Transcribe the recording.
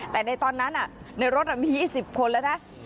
แต่ในตอนนั้นในรถมี๒๐คนแล้วนะ